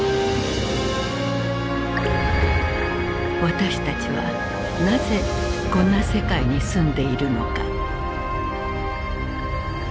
私たちはなぜこんな世界に住んでいるのか。